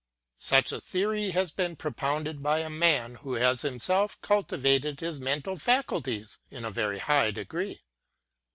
Such a theory has been propounded by a man who has himself cultivated his mental faculties in a very high degree.